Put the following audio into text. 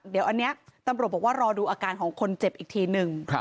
เดี๋ยวอันนี้ตำรวจบอกว่ารอดูอาการของคนเจ็บอีกทีหนึ่ง